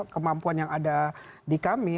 kemampuan yang ada di kami